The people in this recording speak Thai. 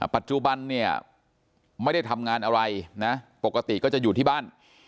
ปัจจุบันเนี่ยไม่ได้ทำงานอะไรนะปกติก็จะอยู่ที่บ้าน